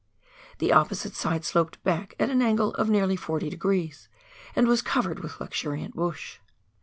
The opposite side sloped back at an angle of nearly 40 degrees, and was covered with luxuriant bush.